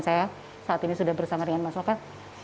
saya saat ini sudah bersama dengan mas novel